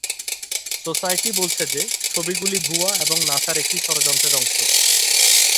Society বলছে যে, ছবিগুলি ভুয়া এবং নাসার একটি ষড়যন্ত্রের অংশ।